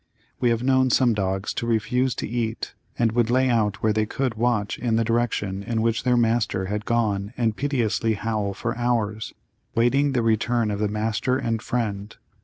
We have known some dogs to refuse to eat, and would lay out where they could watch in the direction in which their master had gone and piteously howl for hours, waiting the return of the master and friend.